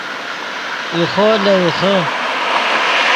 ایخو لے ایخے